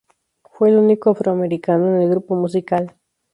Fue el único afroamericano en el grupo musical.